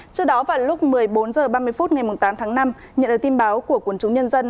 trước đó vào lúc một mươi bốn h ba mươi phút ngày tám tháng năm nhận được tin báo của quân chúng nhân dân